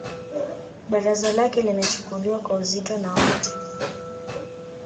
Baraza lake linachukuliwa kwa uzito na wote